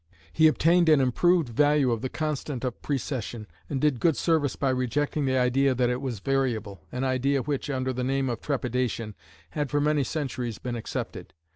He obtained an improved value of the constant of precession, and did good service by rejecting the idea that it was variable, an idea which, under the name of trepidation, had for many centuries been accepted.